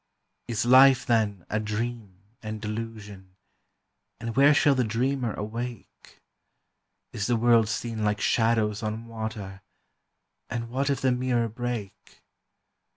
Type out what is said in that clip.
Is life, then, a dream and delusion, and where shall the dreamer awake? Is the world seen like shadows on water, and what if the mirror break?